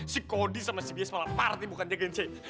si kodi sama si biasa malah parah nih bukan jagain shaina